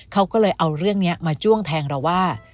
เขาก็เลยเอาเรื่องนี้มาจ้วงแทงเราว่า